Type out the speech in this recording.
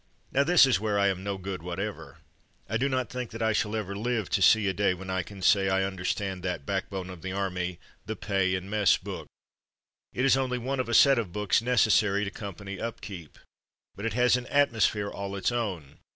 Now this is where I am no good whatever. I do not think that I shall ever live to see a day when I can say I understand that back Company Pay Day 25 bone of the army, "The Pay and Mess Book." It is only one of a set of books necessary to company upkeep, but it has an atmos phere all its own.